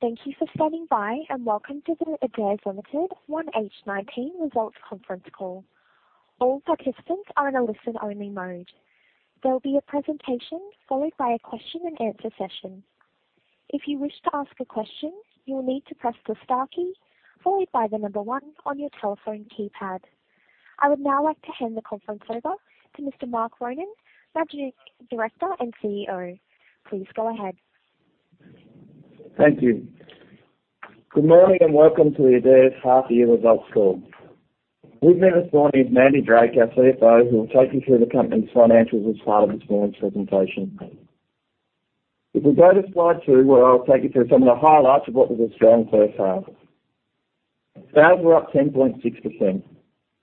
Thank you for standing by, and welcome to the Adairs Limited 1H19 Results Conference Call. All participants are in a listen-only mode. There'll be a presentation followed by a question and answer session. If you wish to ask a question, you will need to press the star key followed by the number one on your telephone keypad. I would now like to hand the conference over to Mr. Mark Ronan, Managing Director and CEO. Please go ahead. Thank you. Good morning, and welcome to Adairs' half-year results call. With me this morning is Mandy Drake, our CFO, who will take you through the company's financials as part of this morning's presentation. If we go to slide two, where I'll take you through some of the highlights of what was a strong first half. Sales were up 10.6%.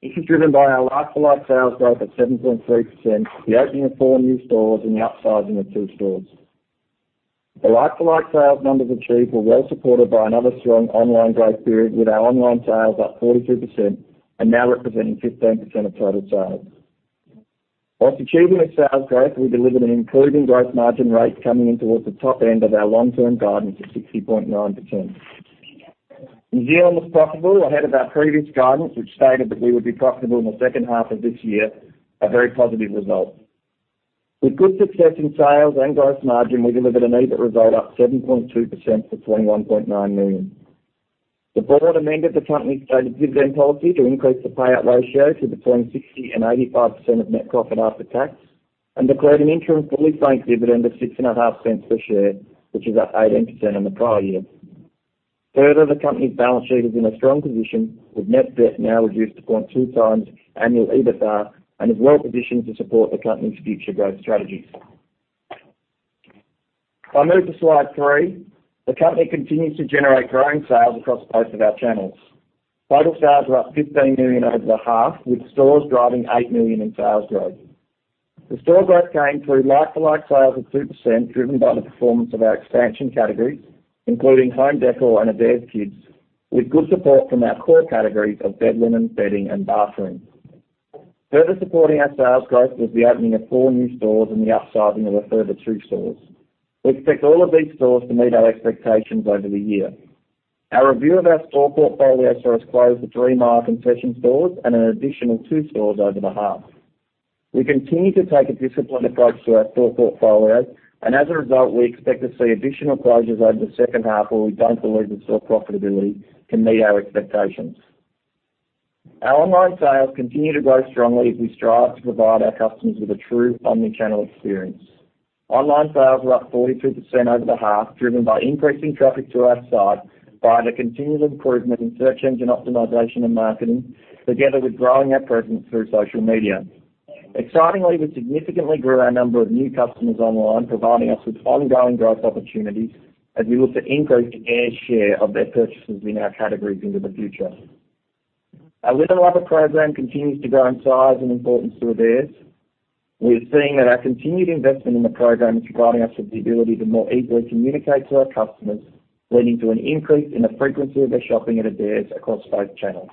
This is driven by our like-for-like sales growth of 7.3%, the opening of four new stores, and the upsizing of two stores. The like-for-like sales numbers achieved were well supported by another strong online growth period, with our online sales up 42% and now representing 15% of total sales. Whilst achieving the sales growth, we delivered an improving gross margin rate coming in towards the top end of our long-term guidance of 60.9%. New Zealand was profitable ahead of our previous guidance, which stated that we would be profitable in the second half of this year, a very positive result. With good success in sales and gross margin, we delivered an EBIT result up 7.2% to 21.9 million. The board amended the company's stated dividend policy to increase the payout ratio to between 60% and 85% of net profit after tax, and declared an interim fully franked dividend of 0.065 per share, which is up 18% on the prior year. Further, the company's balance sheet is in a strong position with net debt now reduced to 0.2x annual EBITDA, and is well positioned to support the company's future growth strategies. If I move to slide three, the company continues to generate growing sales across both of our channels. Total sales were up 15 million over the half, with stores driving 8 million in sales growth. The store growth came through like-for-like sales of 2%, driven by the performance of our expansion categories, including home decor and Adairs Kids, with good support from our core categories of bed linen, bedding, and bathroom. Further supporting our sales growth was the opening of four new stores and the upsizing of a further two stores. We expect all of these stores to meet our expectations over the year. Our review of our store portfolio saw us close the three Myer concession stores and an additional two stores over the half. We continue to take a disciplined approach to our store portfolio, as a result, we expect to see additional closures over the second half where we don't believe the store profitability can meet our expectations. Our online sales continue to grow strongly as we strive to provide our customers with a true omnichannel experience. Online sales were up 42% over the half, driven by increasing traffic to our site via the continual improvement in search engine optimization and marketing, together with growing our presence through social media. Excitingly, we significantly grew our number of new customers online, providing us with ongoing growth opportunities as we look to increase our share of their purchases in our categories into the future. Our Linen Lover program continues to grow in size and importance to Adairs. We are seeing that our continued investment in the program is providing us with the ability to more easily communicate to our customers, leading to an increase in the frequency of their shopping at Adairs across both channels.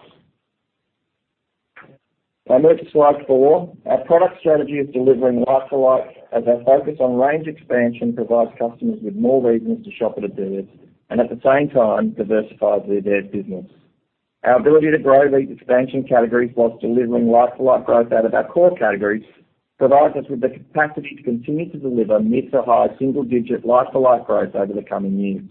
If I move to slide four, our product strategy is delivering like for like as our focus on range expansion provides customers with more reasons to shop at Adairs, and at the same time diversifies the Adairs business. Our ability to grow these expansion categories whilst delivering like-for-like growth out of our core categories provides us with the capacity to continue to deliver mid-to-high single-digit like-for-like growth over the coming years.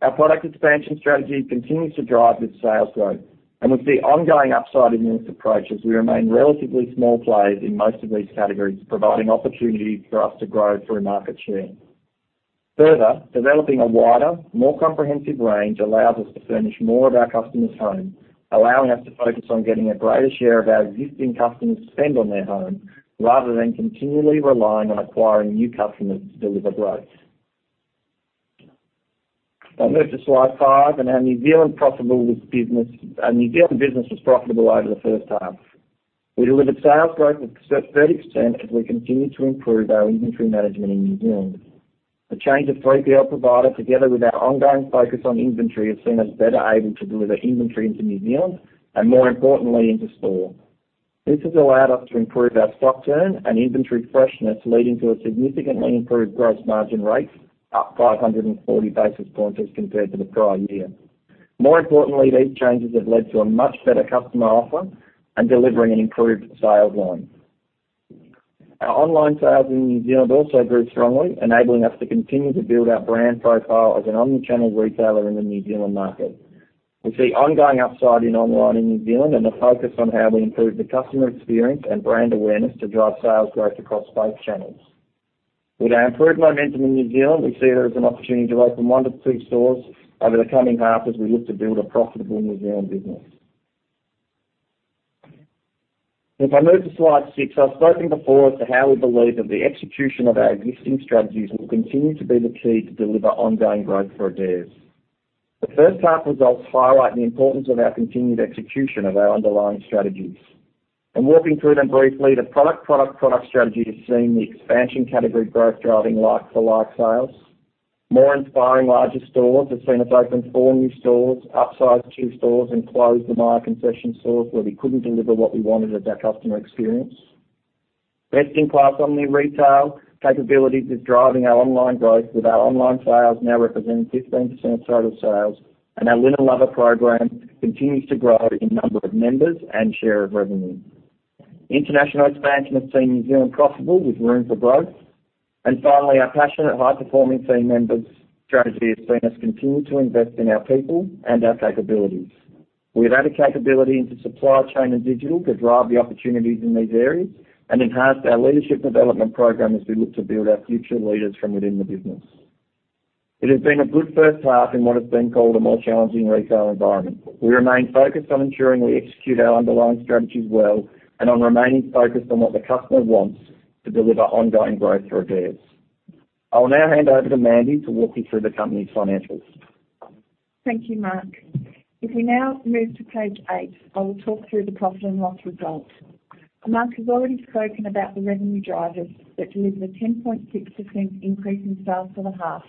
Our product expansion strategy continues to drive this sales growth, and with the ongoing upside in this approach as we remain relatively small players in most of these categories, providing opportunities for us to grow through market share. Further, developing a wider, more comprehensive range allows us to furnish more of our customers' home, allowing us to focus on getting a greater share of our existing customers to spend on their home rather than continually relying on acquiring new customers to deliver growth. If I move to slide five, our New Zealand business was profitable over the first half. We delivered sales growth of 30% as we continued to improve our inventory management in New Zealand. The change of 3PL provider, together with our ongoing focus on inventory, has seen us better able to deliver inventory into New Zealand and, more importantly, into store. This has allowed us to improve our stock turn and inventory freshness, leading to a significantly improved gross margin rate, up 540 basis points as compared to the prior year. More importantly, these changes have led to a much better customer offer and delivering an improved sales line. Our online sales in New Zealand also grew strongly, enabling us to continue to build our brand profile as an omnichannel retailer in the New Zealand market. We see ongoing upside in online in New Zealand and the focus on how we improve the customer experience and brand awareness to drive sales growth across both channels. With our improved momentum in New Zealand, we see there is an opportunity to open one to two stores over the coming half as we look to build a profitable New Zealand business. If I move to slide six, I've spoken before as to how we believe that the execution of our existing strategies will continue to be the key to deliver ongoing growth for Adairs. The first half results highlight the importance of our continued execution of our underlying strategies. Walking through them briefly, the product, product strategy has seen the expansion category growth driving like-for-like sales. More inspiring larger stores have seen us open four new stores, upsize two stores, and close the Myer concession stores where we couldn't deliver what we wanted of that customer experience. Best-in-class omni-retail capabilities is driving our online growth with our online sales now representing 15% of total sales and our Linen Lover program continues to grow in number of members and share of revenue. International expansion has seen New Zealand profitable with room for growth. Finally, our passionate, high-performing team members strategy has seen us continue to invest in our people and our capabilities. We have added capability into supply chain and digital to drive the opportunities in these areas and enhanced our leadership development program as we look to build our future leaders from within the business. It has been a good first half in what has been called a more challenging retail environment. We remain focused on ensuring we execute our underlying strategies well and on remaining focused on what the customer wants to deliver ongoing growth for Adairs. I will now hand over to Mandy to walk you through the company's financials. Thank you, Mark. If we now move to page eight, I will talk through the profit and loss results. Mark has already spoken about the revenue drivers that delivered a 10.6% increase in sales for the half,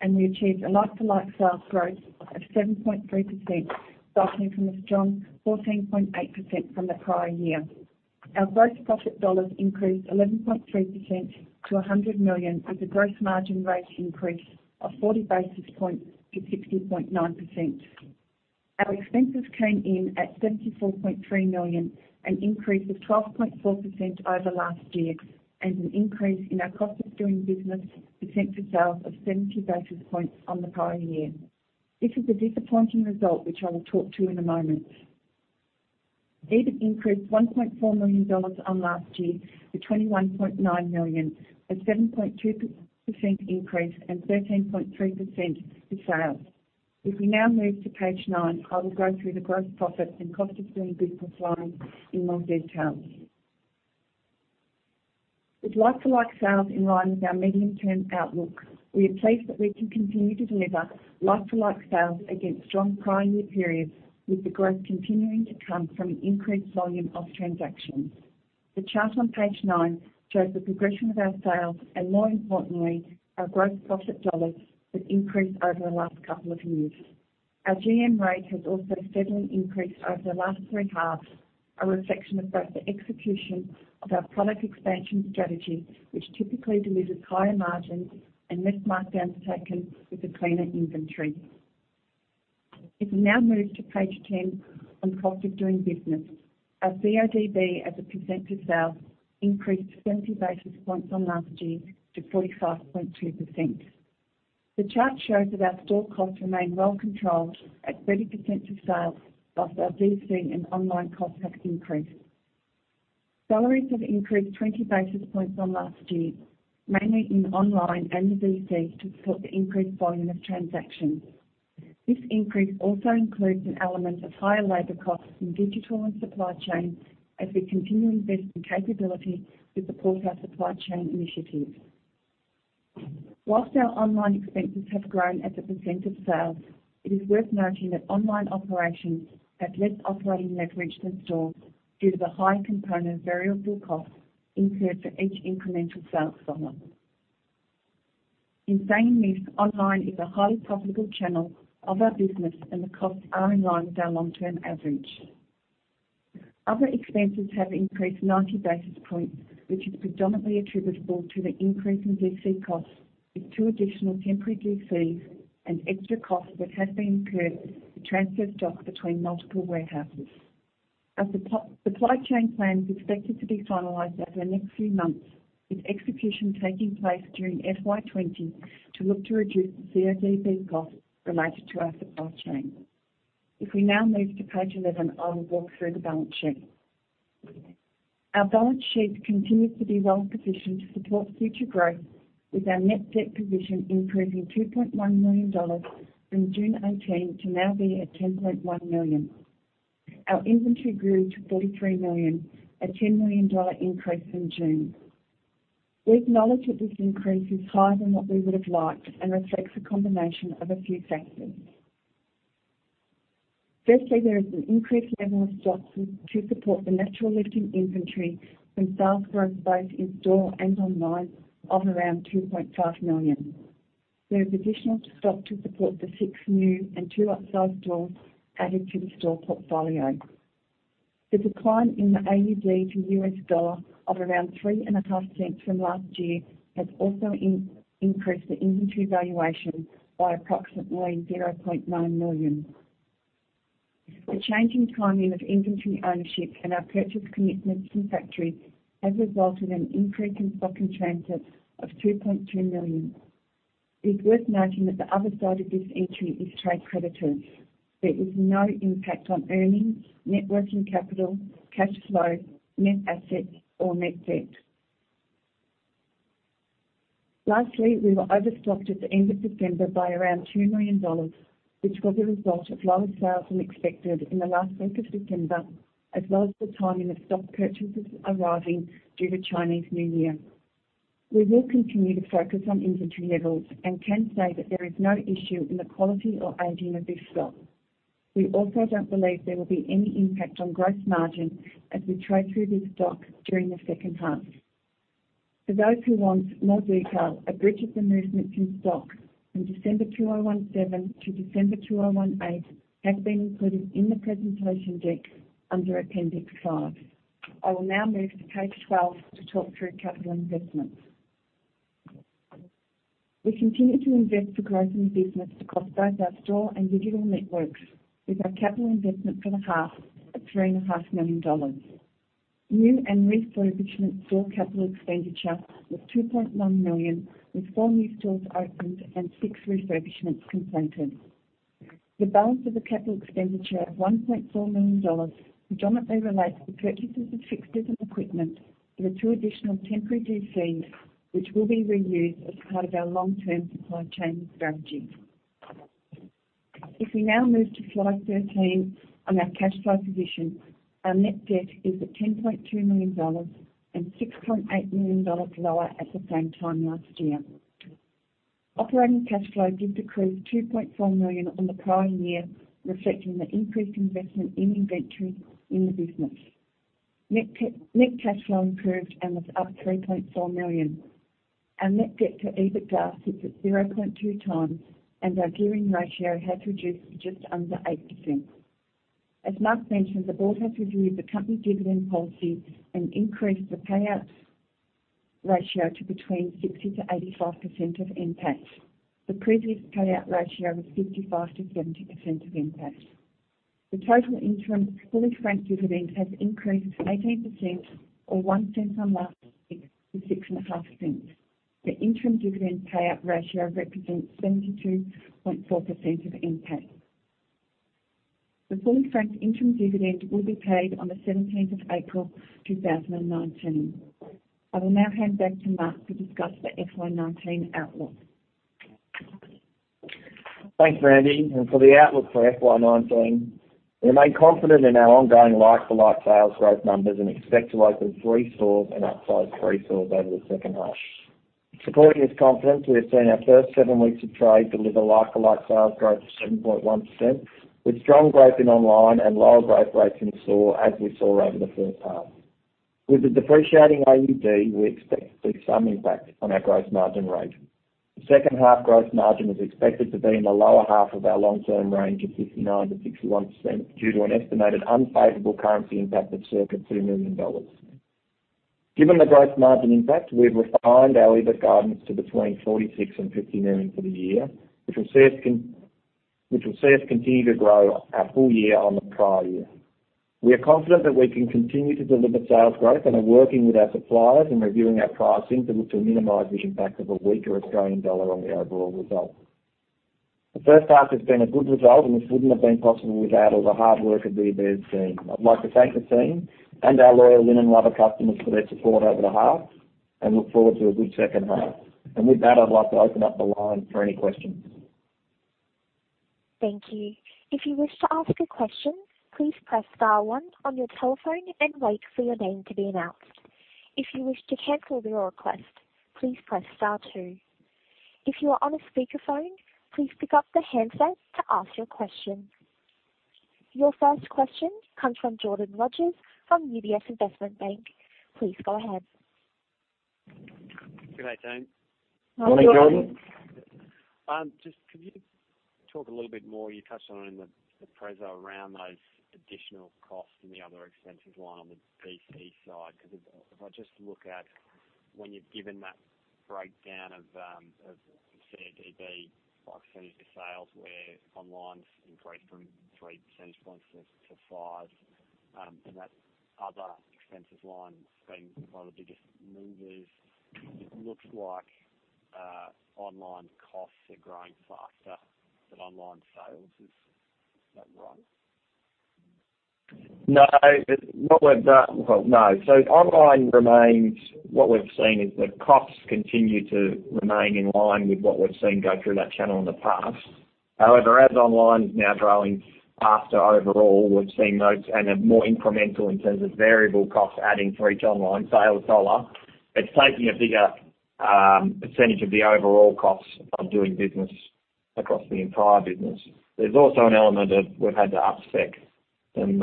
and we achieved a like-to-like sales growth of 7.3%, starting from a strong 14.8% from the prior year. Our gross profit dollars increased 11.3% to 100 million with a gross margin rate increase of 40 basis points to 60.9%. Our expenses came in at 74.3 million, an increase of 12.4% over last year and an increase in our cost of doing business % of sales of 70 basis points on the prior year. This is a disappointing result which I will talk to in a moment. EBIT increased 1.4 million dollars on last year to 21.9 million, a 7.2% increase and 13.3% for sales. If we now move to page nine, I will go through the gross profit and cost of doing business lines in more detail. With like-to-like sales in line with our medium-term outlook, we are pleased that we can continue to deliver like-to-like sales against strong prior year periods with the growth continuing to come from an increased volume of transactions. The chart on page nine shows the progression of our sales and more importantly, our gross profit dollars have increased over the last couple of years. Our GM rate has also steadily increased over the last three halves, a reflection of both the execution of our product expansion strategy, which typically delivers higher margins and less markdowns taken with the cleaner inventory. If we now move to page 10 on cost of doing business, our CODB as a % of sales increased 70 basis points on last year to 45.2%. The chart shows that our store costs remain well controlled at 30% of sales, while our DC and online costs have increased. Salaries have increased 20 basis points on last year, mainly in online and the DCs to support the increased volume of transactions. This increase also includes an element of higher labor costs in digital and supply chain as we continue to invest in capability to support our supply chain initiatives. While our online expenses have grown as a % of sales, it is worth noting that online operations have less operating leverage than stores due to the high component variable costs incurred for each incremental sales dollar. In saying this, online is a highly profitable channel of our business and the costs are in line with our long-term average. Other expenses have increased 90 basis points which is predominantly attributable to the increase in DC costs with two additional temporary DCs and extra costs that have been incurred to transfer stock between multiple warehouses. Our supply chain plan is expected to be finalized over the next few months with execution taking place during FY 2020 to look to reduce the CODB costs related to our supply chain. If we now move to page 11, I will walk through the balance sheet. Our balance sheet continues to be well positioned to support future growth with our net debt position improving 2.1 million dollars from June 2018 to now being at 10.1 million. Our inventory grew to 43 million, a 10 million dollar increase from June. We acknowledge that this increase is higher than what we would have liked and reflects a combination of a few factors. Firstly, there is an increased level of stock to support the natural lift in inventory from sales growth both in store and online of around 2.5 million. There is additional stock to support the six new and two upsize stores added to the store portfolio. The decline in the AUD to US dollar of around 0.035 from last year has also increased the inventory valuation by approximately 0.9 million. The change in timing of inventory ownership and our purchase commitments from factories have resulted in an increase in stock in transit of 2.2 million. It is worth noting that the other side of this entry is trade creditors. There is no impact on earnings, net working capital, cash flow, net assets or net debt. Lastly, we were overstocked at the end of September by around 2 million dollars which was a result of lower sales than expected in the last week of September as well as the timing of stock purchases arriving due to Chinese New Year. We will continue to focus on inventory levels and can say that there is no issue in the quality or aging of this stock. We also don't believe there will be any impact on gross margin as we trade through this stock during the second half. For those who want more detail, a bridge of the movements in stock from December 2017 to December 2018 has been included in the presentation deck under Appendix five. I will now move to page 12 to talk through capital investments. We continue to invest for growth in the business across both our store and digital networks with our capital investment for the half at 3.5 million dollars. New and refurbishment store capital expenditure was 2.1 million, with four new stores opened and six refurbishments completed. The balance of the capital expenditure of 1.4 million dollars predominantly relates to purchases of fixtures and equipment for the two additional temporary DCs, which will be reused as part of our long-term supply chain strategy. If we now move to slide 13 on our cash flow position, our net debt is at 10.2 million dollars and 6.8 million dollars lower at the same time last year. Operating cash flow did decrease to 2.4 million on the prior year, reflecting the increased investment in inventory in the business. Net cash flow improved and was up 3.4 million. Our net debt to EBITDA sits at 0.2x and our gearing ratio has reduced to just under 8%. As Mark mentioned, the board has reviewed the company dividend policy and increased the payout ratio to between 60%-85% of NPAT. The previous payout ratio was 55%-70% of NPAT. The total interim fully franked dividend has increased to 18% or 0.01 on last to 0.065. The interim dividend payout ratio represents 72.4% of NPAT. The fully franked interim dividend will be paid on the 17th of April 2019. I will now hand back to Mark to discuss the FY 2019 outlook. Thanks, Mandy. For the outlook for FY 2019, we remain confident in our ongoing like-for-like sales growth numbers and expect to open three stores and upsize three stores over the second half. Supporting this confidence, we have seen our first seven weeks of trade deliver like-for-like sales growth of 7.1%, with strong growth in online and lower growth rates in store, as we saw over the first half. With the depreciating AUD, we expect to see some impact on our gross margin rate. The second half gross margin is expected to be in the lower half of our long-term range of 59%-61% due to an estimated unfavorable currency impact of circa 2 million dollars. Given the gross margin impact, we've refined our EBIT guidance to between 46 million-50 million for the year, which will see us continue to grow our full year on the prior year. We are confident that we can continue to deliver sales growth and are working with our suppliers and reviewing our pricing to look to minimize the impact of a weaker Australian dollar on the overall result. The first half has been a good result. This wouldn't have been possible without all the hard work of the Adairs team. I'd like to thank the team and our loyal Linen Lover customers for their support over the half and look forward to a good second half. With that, I'd like to open up the line for any questions. Thank you. If you wish to ask a question, please press star one on your telephone and wait for your name to be announced. If you wish to cancel your request, please press star two. If you are on a speakerphone, please pick up the handset to ask your question. Your first question comes from Jordan Rogers from UBS Investment Bank. Please go ahead. Good day, team. Good morning, Jordan. Just could you talk a little bit more, you touched on it in the preso around those additional costs and the other expenses line on the DC side, because if I just look at when you've given that breakdown of CODB by percentage of sales where online's increased from three percentage points to five, and that other expenses line has been one of the biggest movers. It looks like online costs are growing faster than online sales. Is that right? No. What we've seen is that costs continue to remain in line with what we've seen go through that channel in the past. However, as online is now growing faster overall, we've seen those and a more incremental in terms of variable costs adding for each online sales dollar. It's taking a bigger percentage of the overall cost of doing business across the entire business. There's also an element of we've had to up-spec some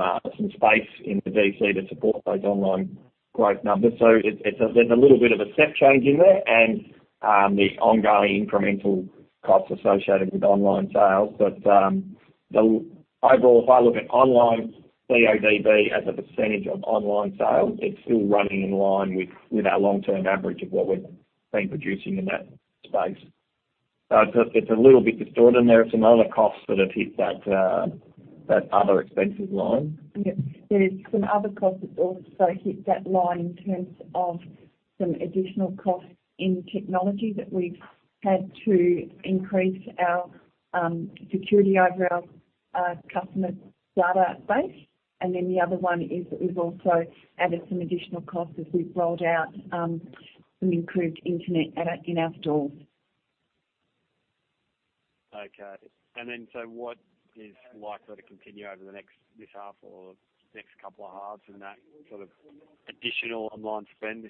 space in the DC to support those online growth numbers. There's a little bit of a step change in there and the ongoing incremental costs associated with online sales. Overall, if I look at online CODB as a percentage of online sales, it's still running in line with our long-term average of what we've been producing in that space. It's a little bit distorted, and there are some other costs that have hit that other expensive line. Yeah. There's some other costs that also hit that line in terms of some additional costs in technology that we've had to increase our security over our customer database. The other one is that we've also added some additional costs as we've rolled out some improved internet in our stores. Okay. What is likely to continue over this half or next couple of halves in that sort of additional online spend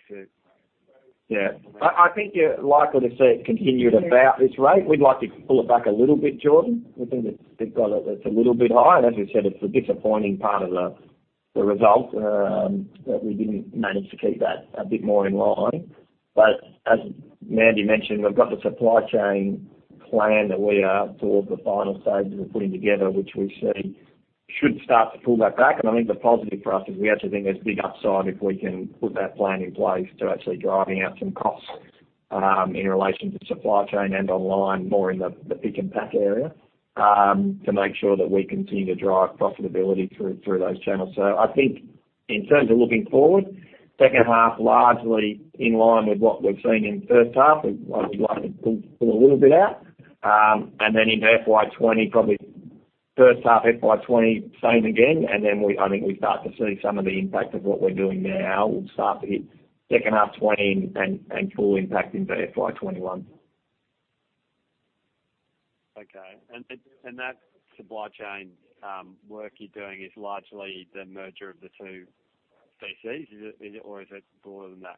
to- Yeah. I think you're likely to see it continue at about this rate. We'd like to pull it back a little bit, Jordan. We think it's a little bit high. As you said, it's a disappointing part of the result that we didn't manage to keep that a bit more in line. As Mandy mentioned, we've got the supply chain plan that we are toward the final stages of putting together, which we see should start to pull that back. I think the positive for us is we actually think there's big upside if we can put that plan in place to actually driving out some costs, in relation to supply chain and online, more in the pick and pack area, to make sure that we continue to drive profitability through those channels. I think in terms of looking forward, second half largely in line with what we've seen in first half, I would like to pull a little bit out. In FY 2020, probably first half FY 2020, same again. I think we start to see some of the impact of what we're doing now will start to hit second half 2020 and full impact into FY 2021. Okay. That supply chain work you're doing is largely the merger of the two DCs, or is it broader than that?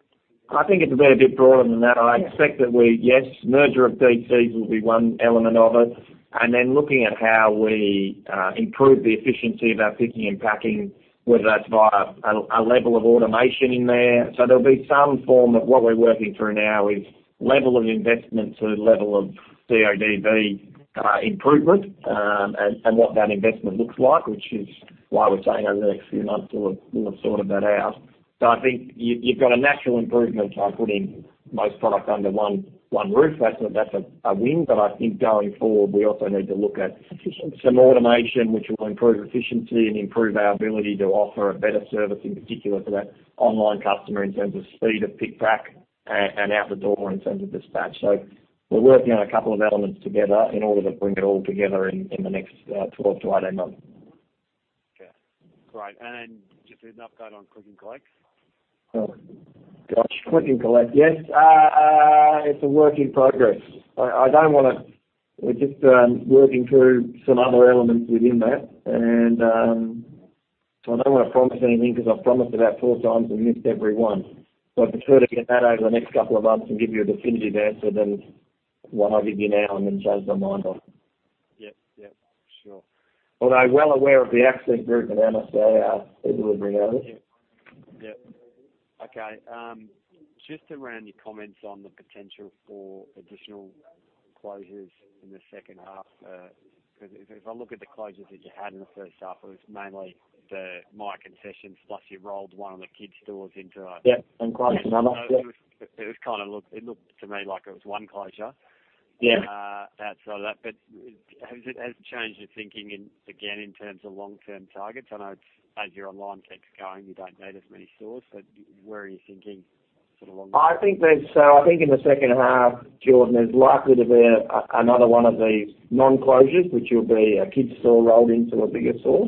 I think it's a bit broader than that. I expect that Yes, merger of DCs will be one element of it, and then looking at how we improve the efficiency of our picking and packing, whether that's via a level of automation in there. There'll be some form of what we're working through now is level of investment to level of CODB improvement, and what that investment looks like, which is why we're saying over the next few months we'll have sorted that out. I think you've got a natural improvement by putting most product under one roof. That's a win. I think going forward, we also need to look at Efficiency Some automation which will improve efficiency and improve our ability to offer a better service, in particular to that online customer in terms of speed of pick, pack, and out the door in terms of dispatch. We're working on a couple of elements together in order to bring it all together in the next 12 to 18 months. Okay. Great. Just an update on click and collect? Oh, gosh. Click and collect. Yes. It's a work in progress. We're just working through some other elements within that. I don't want to promise anything because I've promised about four times and missed every one. I prefer to get that over the next couple of months and give you a definitive answer than what I give you now and then change my mind on. Yep. Sure. Although well aware of the Accent Group and MSA are delivering ours. Yep. Okay. Just around your comments on the potential for additional closures in the second half, because if I look at the closures that you had in the first half, it was mainly the Myer Concessions, plus you rolled one of the Kids stores into. Yep, closed another. Yep it looked to me like it was one closure. Yeah outside of that. Has it changed your thinking again, in terms of long-term targets? I know as your online keeps going, you don't need as many stores, where are you thinking for the long-term? I think in the second half, Jordan, there's likely to be another one of these non-closures, which will be a Kids' store rolled into a bigger store,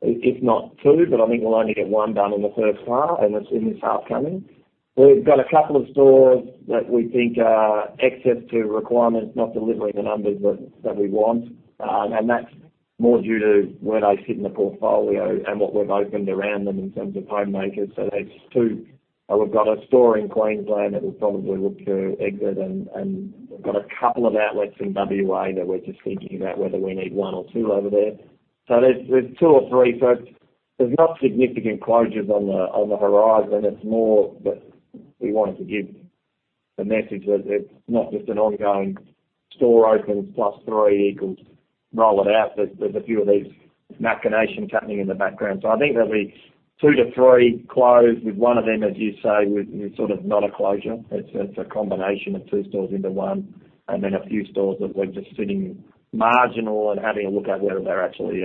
if not 2. I think we'll only get 1 done in the first half, and that's in this half coming. We've got a couple of stores that we think are excess to requirements, not delivering the numbers that we want. That's more due to where they sit in the portfolio and what we've opened around them in terms of Homemakers. That's 2. We've got a store in Queensland that we'll probably look to exit, and we've got a couple of outlets in W.A. that we're just thinking about whether we need 1 or 2 over there. There's 2 or 3. There's not significant closures on the horizon. It's more that we wanted to give the message that it's not just an ongoing store opens plus 3 equals roll it out. There's a few of these machinations happening in the background. I think there'll be 2 to 3 closed, with 1 of them, as you say, with sort of not a closure. It's a combination of 2 stores into 1 and then a few stores that we're just sitting marginal and having a look at whether they're actually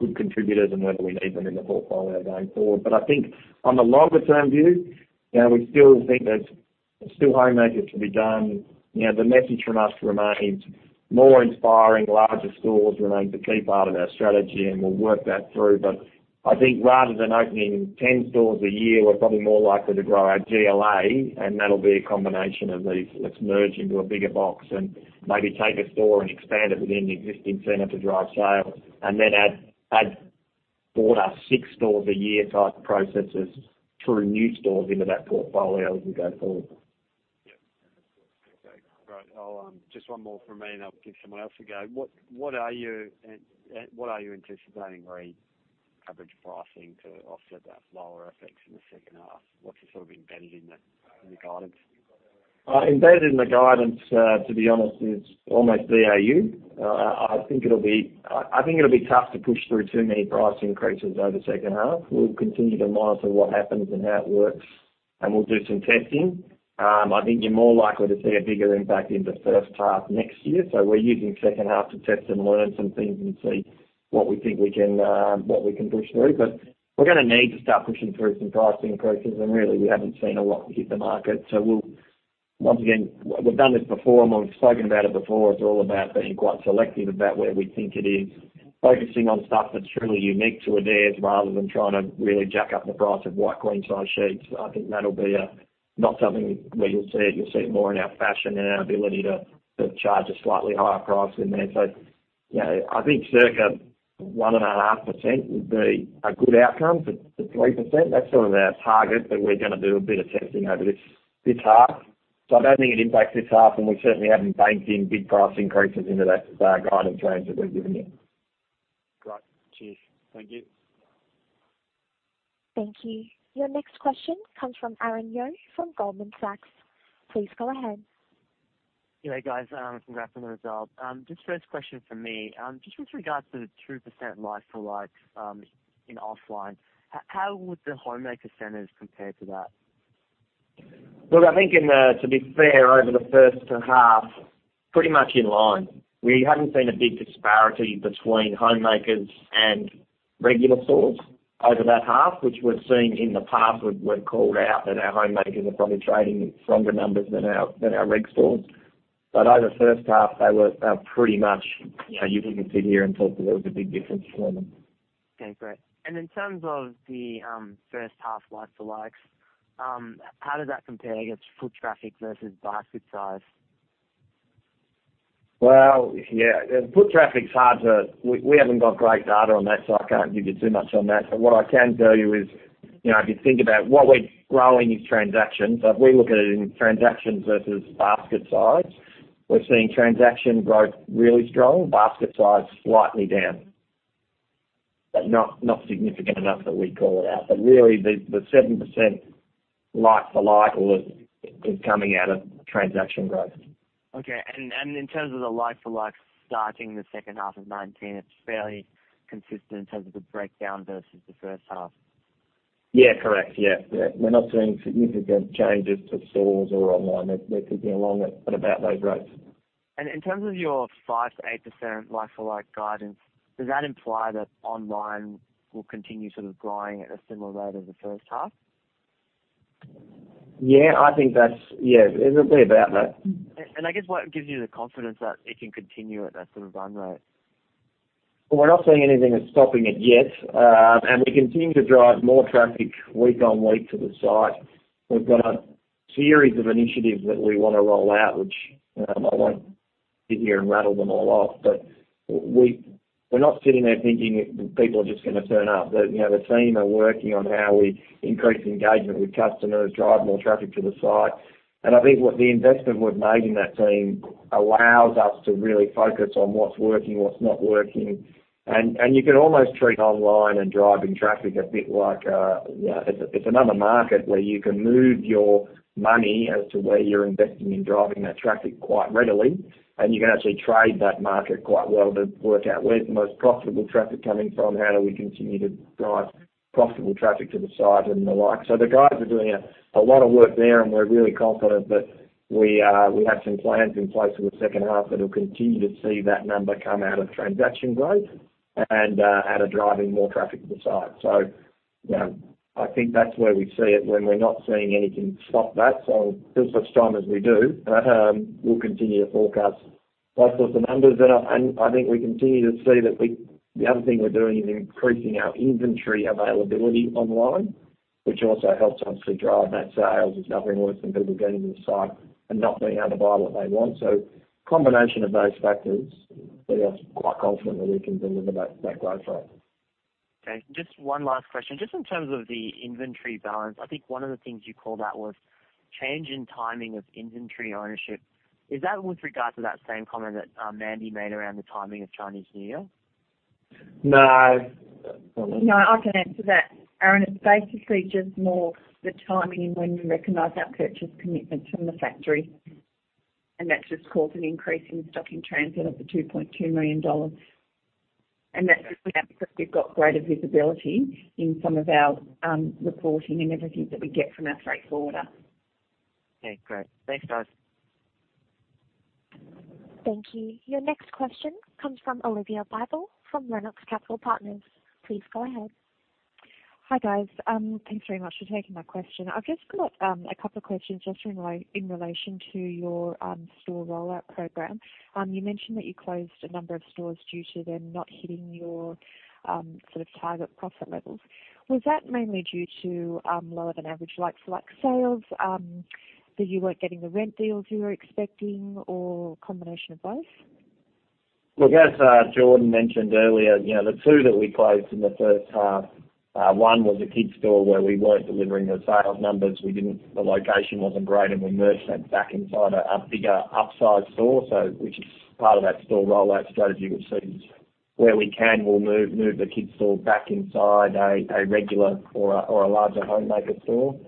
good contributors and whether we need them in the portfolio going forward. I think on the longer-term view, we still think there's still Homemaker to be done. The message from us remains more inspiring. Larger stores remain a key part of our strategy, and we'll work that through. I think rather than opening 10 stores a year, we're probably more likely to grow our GLA, and that'll be a combination of these, let's merge into a bigger box and maybe take a store and expand it within the existing center to drive sales and then add border 6 stores a year type processes through new stores into that portfolio as we go forward. Yep. Okay, great. Just one more from me, and I'll give someone else a go. What are you anticipating re average pricing to offset that lower effects in the second half? What's sort of embedded in the guidance? Embedded in the guidance, to be honest, is almost BAU. I think it'll be tough to push through too many price increases over the second half. We'll continue to monitor what happens and how it works, and we'll do some testing. I think you're more likely to see a bigger impact in the first half next year. We're using second half to test and learn some things and see what we think we can push through. We're going to need to start pushing through some price increases, and really, we haven't seen a lot hit the market. Once again, we've done this before, and we've spoken about it before. It's all about being quite selective about where we think it is, focusing on stuff that's truly unique to Adairs rather than trying to really jack up the price of white queen-size sheets. I think that'll be not something where you'll see it. You'll see it more in our fashion and our ability to charge a slightly higher price in there. I think circa 1.5% would be a good outcome, to 3%. That's sort of our target. We're going to do a bit of testing over this half. I don't think it impacts this half, we certainly haven't banked in big price increases into that guiding range that we've given you. Great. Cheers. Thank you. Thank you. Your next question comes from Aaron Yeoh from Goldman Sachs. Please go ahead. Hey guys, congrats on the result. Just first question from me. Just with regards to the 2% like-for-like in offline. How would the Homemaker Centers compare to that? Look, I think to be fair, over the first half, pretty much in line. We haven't seen a big disparity between Homemakers and regular stores over that half, which we've seen in the past, we've called out that our Homemakers are probably trading stronger numbers than our rig stores. Over the first half, they were pretty much, you wouldn't sit here and think that there was a big difference for them. Okay, great. In terms of the first half like-for-likes, how does that compare against foot traffic versus basket size? Well, yeah, foot traffic's hard to. We haven't got great data on that, so I can't give you too much on that. What I can tell you is, if you think about what we're growing is transactions, if we look at it in transactions versus basket size, we're seeing transaction growth really strong, basket size slightly down. Not significant enough that we call it out. Really, the 7% like for like is coming out of transaction growth. Okay. In terms of the like for like starting the second half of 2019, it's fairly consistent in terms of the breakdown versus the first half? Yeah, correct. Yeah. We're not seeing significant changes to stores or online. They're ticking along at about those rates. In terms of your 5%-8% like-for-like guidance, does that imply that online will continue sort of growing at a similar rate as the first half? Yeah, it'll be about that. I guess what gives you the confidence that it can continue at that sort of run rate? We're not seeing anything that's stopping it yet. We continue to drive more traffic week on week to the site. We've got a series of initiatives that we want to roll out, which, I won't sit here and rattle them all off, but we're not sitting there thinking people are just going to turn up. The team are working on how we increase engagement with customers, drive more traffic to the site. I think what the investment we've made in that team allows us to really focus on what's working, what's not working. You can almost treat online and driving traffic a bit like. It's another market where you can move your money as to where you're investing in driving that traffic quite readily, and you can actually trade that market quite well to work out where's the most profitable traffic coming from, how do we continue to drive profitable traffic to the site and the like. The guys are doing a lot of work there, and we're really confident that we have some plans in place for the second half that will continue to see that number come out of transaction growth and out of driving more traffic to the site. I think that's where we see it, when we're not seeing anything stop that. Feel as strong as we do, we'll continue to forecast those sorts of numbers. I think we continue to see that. The other thing we're doing is increasing our inventory availability online, which also helps us to drive that sales. There's nothing worse than people getting to the site and not being able to buy what they want. A combination of those factors, feel quite confident that we can deliver that growth rate. Okay. Just one last question. Just in terms of the inventory balance, I think one of the things you called out was change in timing of inventory ownership. Is that with regard to that same comment that Mandy made around the timing of Chinese New Year? No. No, I can answer that, Aaron. It's basically just more the timing when we recognize our purchase commitments from the factory, and that just caused an increase in stock in transit of the 2.2 million dollars. That's because we've got greater visibility in some of our reporting and everything that we get from our freight forwarder. Okay, great. Thanks, guys. Thank you. Your next question comes from Olivia Bible from Lennox Capital Partners. Please go ahead. Hi, guys. Thanks very much for taking my question. I've just got a couple of questions just in relation to your store rollout program. You mentioned that you closed a number of stores due to them not hitting your sort of target profit levels. Was that mainly due to lower than average like-for-like sales, that you weren't getting the rent deals you were expecting or a combination of both? As Jordan mentioned earlier, the two that we closed in the first half, one was a kids store where we weren't delivering the sales numbers. The location wasn't great, and we merged that back inside a bigger upsize store, which is part of that store rollout strategy. You'll see where we can, we'll move the kids store back inside a regular or a larger Homemaker store.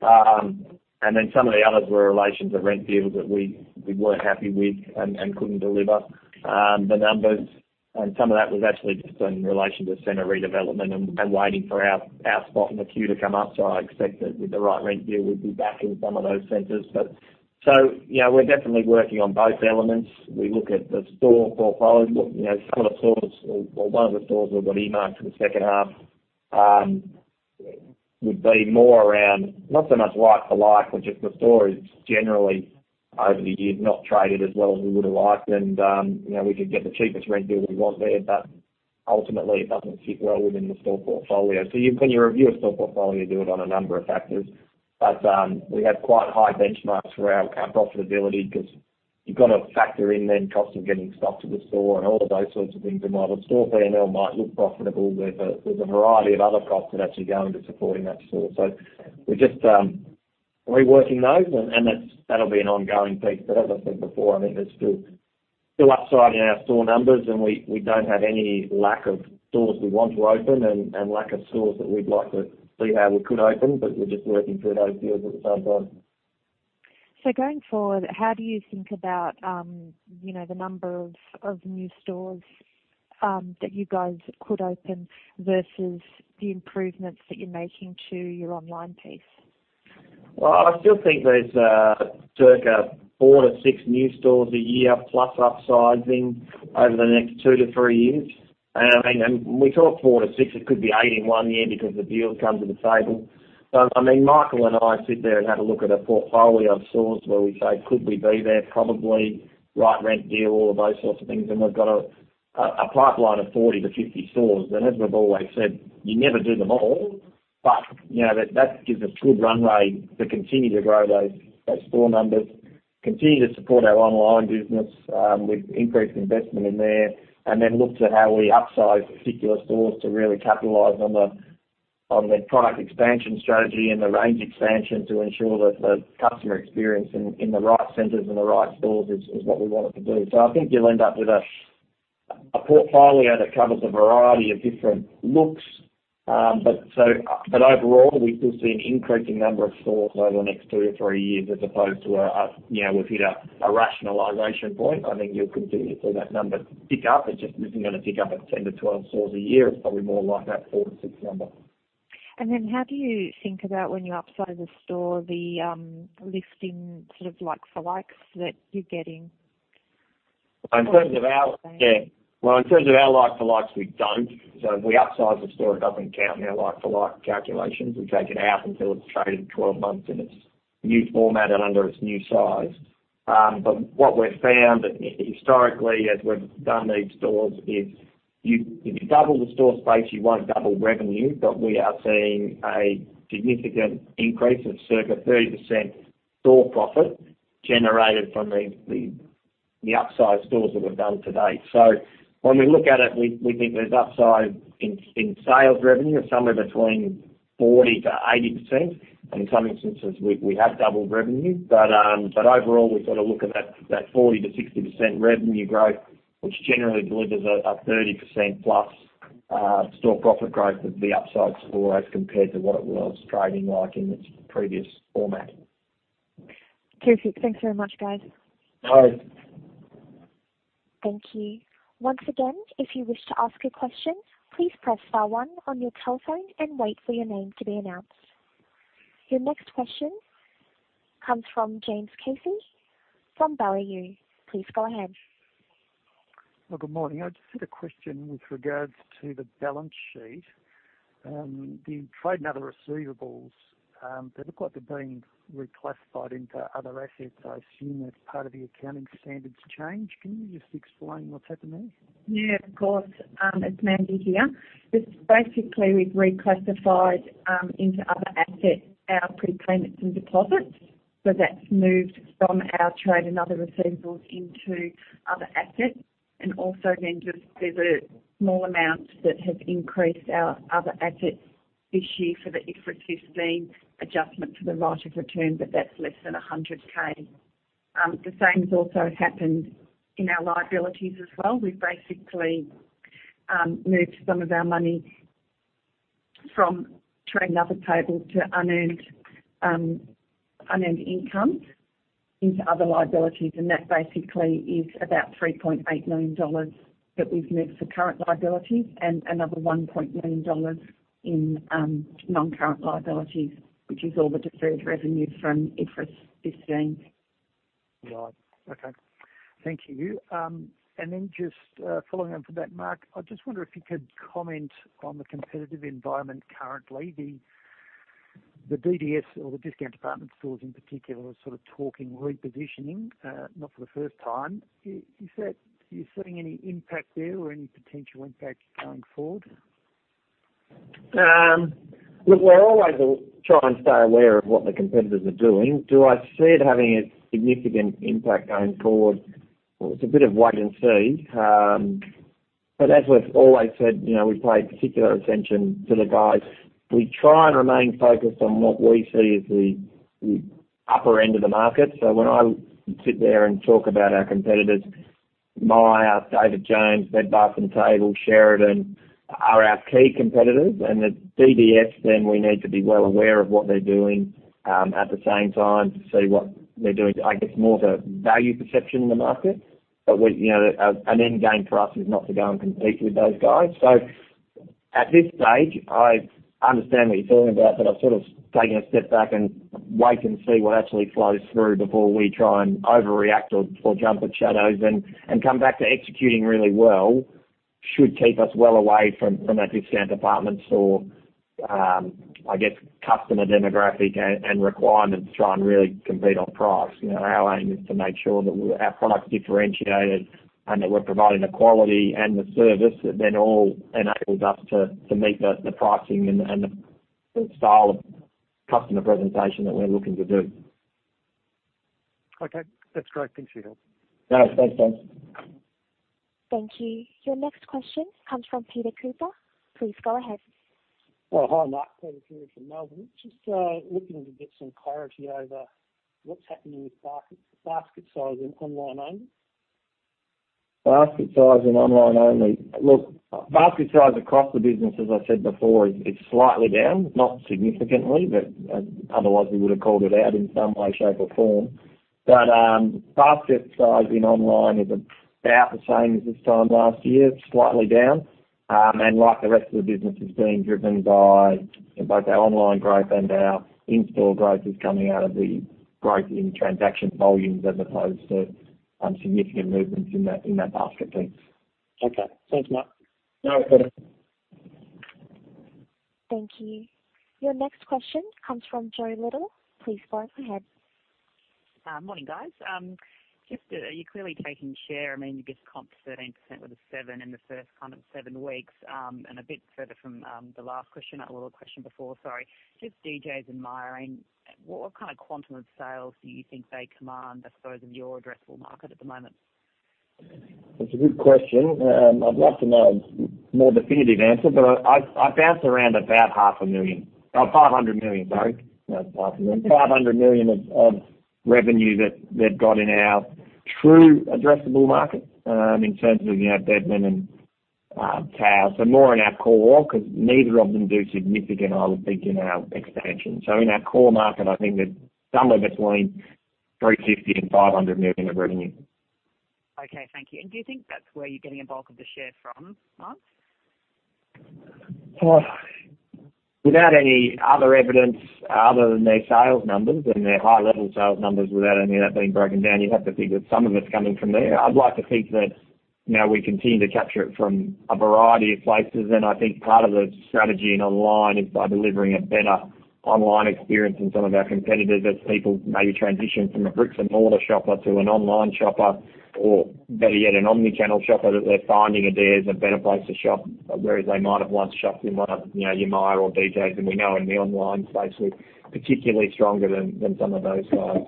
Then some of the others were in relation to rent deals that we weren't happy with and couldn't deliver the numbers. Some of that was actually just in relation to center redevelopment and waiting for our spot in the queue to come up. I expect that with the right rent deal, we'd be back in some of those centers. We're definitely working on both elements. We look at the store portfolio. Some of the stores or one of the stores we've got earmarked for the second half would be more around, not so much like-for-like, but just the store is generally over the years not traded as well as we would have liked. We could get the cheapest rent deal we want there, but ultimately it doesn't sit well within the store portfolio. When you review a store portfolio, you do it on a number of factors, but we have quite high benchmarks for our profitability because you've got to factor in then cost of getting stock to the store and all of those sorts of things. While the store PNL might look profitable, there's a variety of other costs that actually go into supporting that store. We're just reworking those, and that'll be an ongoing piece. As I said before, there's still upside in our store numbers, and we don't have any lack of stores we want to open and lack of stores that we'd like to see how we could open, but we're just working through those deals at the same time. Going forward, how do you think about the number of new stores that you guys could open versus the improvements that you're making to your online piece? I still think there's circa four to six new stores a year plus upsizing over the next two to three years. When we talk four to six, it could be eight in one year because the deal will come to the table. Michael and I sit there and have a look at a portfolio of stores where we say, could we be there probably, right rent deal, all of those sorts of things, and we've got a pipeline of 40 to 50 stores. As we've always said, you never do them all, but that gives us good runway to continue to grow those store numbers, continue to support our online business with increased investment in there, and then look to how we upsize particular stores to really capitalize on the product expansion strategy and the range expansion to ensure that the customer experience in the right centers and the right stores is what we want it to be. I think you'll end up with a portfolio that covers a variety of different looks. Overall, we still see an increasing number of stores over the next two or three years as opposed to we've hit a rationalization point. I think you'll continue to see that number pick up. It just isn't going to pick up at 10 to 12 stores a year. It's probably more like that four to six number. How do you think about when you upsize a store, the lifting like for likes that you're getting? Well, in terms of our like for likes, we don't. If we upsize the store, it doesn't count in our like for like calculations. We take it out until it's traded 12 months in its new format and under its new size. What we've found historically as we've done these stores is if you double the store space, you won't double revenue. We are seeing a significant increase of circa 30% store profit generated from the upsize stores that we've done to date. When we look at it, we think there's upside in sales revenue of somewhere between 40% to 80%. In some instances, we have doubled revenue. Overall, we sort of look at that 40% to 60% revenue growth, which generally delivers a 30% plus store profit growth of the upside stores compared to what it was trading like in its previous format. Cheers. Thanks very much, guys. No worries. Thank you. Once again, if you wish to ask a question, please press star one on your telephone and wait for your name to be announced. Your next question comes from James Casey from Baillieu. Please go ahead. Well, good morning. I just had a question with regards to the balance sheet. The trade and other receivables, they look like they're being reclassified into other assets. I assume that's part of the accounting standards change. Can you just explain what's happening? Yeah, of course. It's Mandy here. Just basically we've reclassified into other assets our prepayments and deposits. That's moved from our trade and other receivables into other assets. Also then just there's a small amount that has increased our other assets this year for the IFRS 15 adjustment for the right of return, but that's less than 100,000. The same has also happened in our liabilities as well. We've basically moved some of our money from trade and other payable to unearned income into other liabilities, and that basically is about 3.8 million dollars that we've moved to current liabilities and another 1.9 million dollars in non-current liabilities, which is all the deferred revenue from IFRS 15. Right. Okay. Thank you. Just following on from that, Mark, I just wonder if you could comment on the competitive environment currently. The DDS or the discount department stores in particular are sort of talking repositioning, not for the first time. Are you seeing any impact there or any potential impact going forward? Look, we always try and stay aware of what the competitors are doing. Do I see it having a significant impact going forward? Well, it's a bit of wait and see. As we've always said, we pay particular attention to the guys. We try and remain focused on what we see as the upper end of the market. When I sit there and talk about our competitors, Myer, David Jones, Bed Bath N' Table, Sheridan are our key competitors, and the DDS, then we need to be well aware of what they're doing at the same time to see what they're doing to, I guess, more the value perception in the market. An end game for us is not to go and compete with those guys. At this stage, I understand what you're talking about, but I've sort of taken a step back and wait and see what actually flows through before we try and overreact or jump at shadows and come back to executing really well should keep us well away from a discount department store, I guess, customer demographic and requirements to try and really compete on price. Our aim is to make sure that our product's differentiated and that we're providing the quality and the service that then all enables us to meet the pricing and the style of-Customer presentation that we're looking to do. Okay. That's great. Thanks for your help. No, thanks, James. Thank you. Your next question comes from Peter Cooper. Please go ahead. Oh, hi, Mark. Peter Cooper from Melbourne. Just looking to get some clarity over what's happening with basket size in online only. Basket size in online only. Look, basket size across the business, as I said before, is slightly down, not significantly, but otherwise, we would've called it out in some way, shape, or form. Basket size in online is about the same as this time last year, slightly down. Like the rest of the business, is being driven by both our online growth and our in-store growth is coming out of the growth in transaction volumes as opposed to significant movements in that basket piece. Okay. Thanks, Mark. No worries, Peter. Thank you. Your next question comes from Josephine Little. Please go ahead. Morning, guys. You're clearly taking share. You just comped 13% with a seven in the first seven weeks. A bit further from the last question, I had a little question before, sorry. Just DJ's and Myer, what kind of quantum of sales do you think they command of those of your addressable market at the moment? That's a good question. I'd love to know a more definitive answer, but I bounce around about 500 million, sorry, not half a million. 500 million of revenue that they've got in our true addressable market, in terms of Bed Bath N' Table. More in our core because neither of them do significant, I would think, in our expansion. In our core market, I think they're somewhere between 350 million and 500 million of revenue. Okay, thank you. Do you think that's where you're getting a bulk of the share from, Mark? Without any other evidence other than their sales numbers and their high-level sales numbers without any of that being broken down, you'd have to think that some of it's coming from there. I'd like to think that we continue to capture it from a variety of places. I think part of the strategy in online is by delivering a better online experience than some of our competitors, as people maybe transition from a bricks and mortar shopper to an online shopper. Better yet, an omni-channel shopper, that they're finding Adairs a better place to shop, whereas they might have once shopped in one of your Myer or DJs. We know in the online space, we're particularly stronger than some of those guys,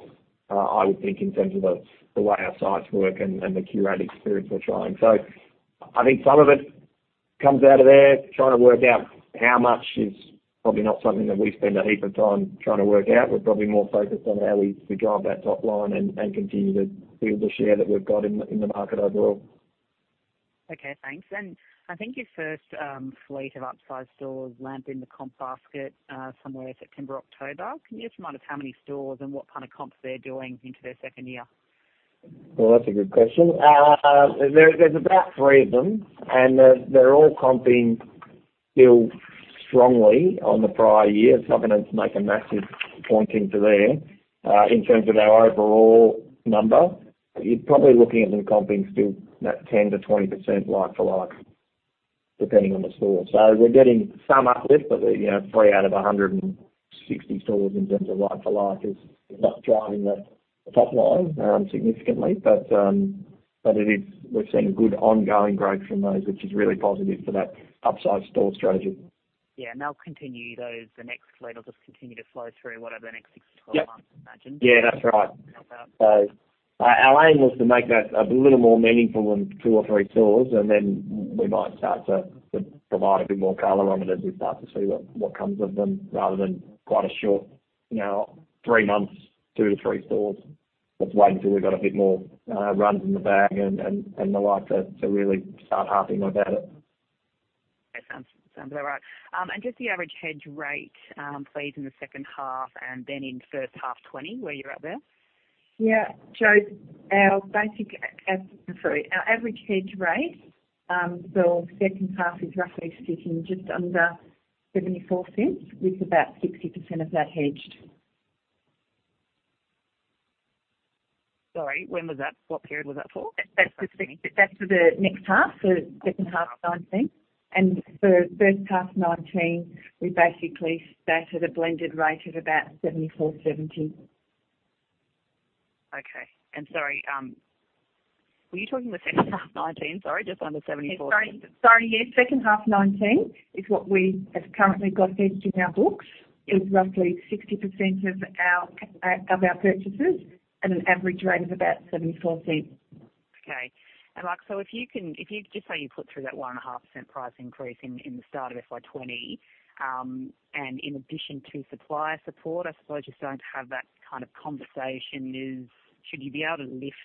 I would think in terms of the way our sites work and the curated experience we're trying. I think some of it comes out of there. Trying to work out how much is probably not something that we spend a heap of time trying to work out. We're probably more focused on how we go up that top line and continue to build the share that we've got in the market overall. Okay, thanks. I think your first fleet of upsize stores land in the comp basket somewhere September, October. Can you just remind us how many stores and what kind of comps they're doing into their second year? Well, that's a good question. There's about three of them. They're all comping still strongly on the prior year. It's not going to make a massive point into there, in terms of our overall number. You're probably looking at them comping still that 10% to 20% like for like, depending on the store. We're getting some uplift, but we're three out of 160 stores in terms of like for like is not driving the top line significantly. We're seeing a good ongoing growth from those, which is really positive for that upsize store strategy. Yeah. They'll continue those, the next fleet will just continue to flow through whatever the next six to- Yep -12 months, I imagine. Yeah, that's right. Help out. Our aim was to make that a little more meaningful than two or three stores, and then we might start to provide a bit more color on it as we start to see what comes of them rather than quite a short, three months, two to three stores. Let's wait until we've got a bit more runs in the bag and the like to really start harping about it. That sounds about right. Just the average hedge rate, please, in the second half and then in first half FY20, where you're at there? Yeah. Jo, sorry. Our average hedge rate for second half is roughly sitting just under 0.74, with about 60% of that hedged. Sorry, when was that? What period was that for? That's for the next half, second half of 2019. For first half 2019, we basically sat at a blended rate of about 0.7470. Okay. Sorry, were you talking the second half 2019? Sorry, just under 0.7470. Sorry. Yeah. Second half 2019 is what we have currently got hedged in our books. It was roughly 60% of our purchases at an average rate of about 0.74. Okay. Mark, if you just say you put through that 1.5% price increase in the start of FY 2020, in addition to supplier support, I suppose you're starting to have that kind of conversation, is should you be able to lift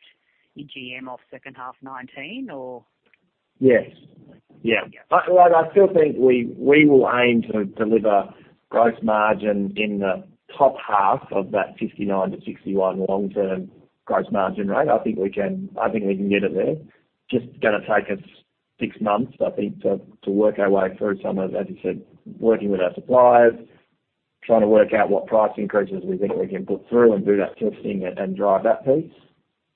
your GM off second half 2019 or? Yes. Yeah. Look, I still think we will aim to deliver gross margin in the top half of that 59-61 long-term gross margin rate. I think we can get it there. Just going to take us six months, I think, to work our way through some of, as you said, working with our suppliers, trying to work out what price increases we think we can put through and do that testing and drive that piece.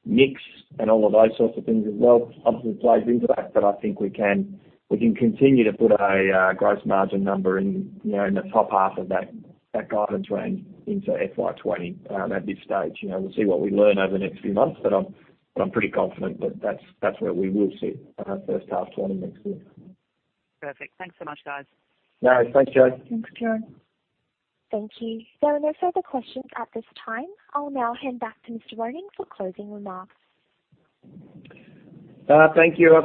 Mix and all of those sorts of things as well obviously plays into that. I think we can continue to put a gross margin number in the top half of that guidance range into FY 2020 at this stage. We'll see what we learn over the next few months, but I'm pretty confident that that's where we will sit first half 2020 next year. Perfect. Thanks so much, guys. No, thanks, Jo. Thanks, Jo. Thank you. There are no further questions at this time. I'll now hand back to Mr. Ronan for closing remarks. Thank you. Obviously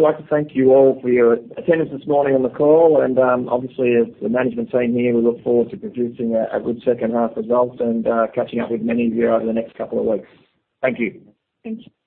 as the management team here, we look forward to producing a good second half result and catching up with many of you over the next couple of weeks. Thank you. Thank you.